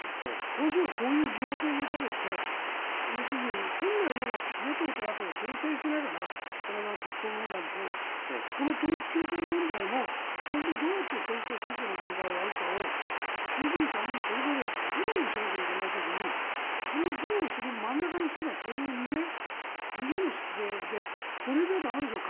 この人がこういう疑惑を持たれて要するに本来なら与党と野党を調整しながらこの間の国葬問題もそうだしこの統一教会問題も今後、どうやって政治と宗教の問題をやるかを衆議院、参議院それぞれ議論しなきゃいけない時にその議論する真ん中の人がこういう逃げの姿勢でこれじゃ駄目でしょ。